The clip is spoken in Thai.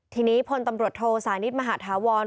ทีนี้พลตำรวจโทสานิทมหาธาวร